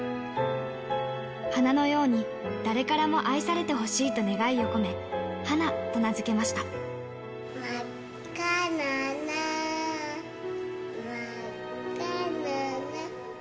花のように誰からも愛されてほしいと願いを込め、はなと名付けままっかだなー、まっかだなー。